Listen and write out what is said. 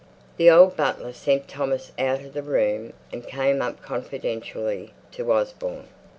The old butler sent Thomas out of the room, and came up confidentially to Osborne.